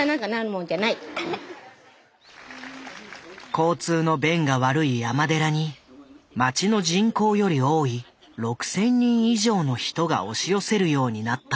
交通の便が悪い山寺に町の人口より多い６，０００人以上の人が押し寄せるようになった。